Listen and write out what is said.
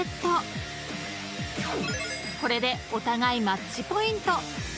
［これでお互いマッチポイント］